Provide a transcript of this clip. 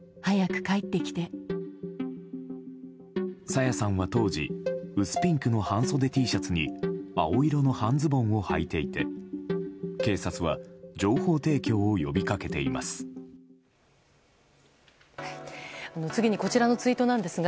朝芽さんは当時薄ピンクの半袖Ｔシャツに青色の半ズボンをはいていて警察は情報提供を呼び掛けています。